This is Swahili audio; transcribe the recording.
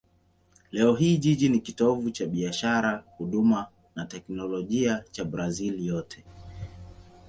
Leo hii jiji ni kitovu cha biashara, huduma na teknolojia cha Brazil yote.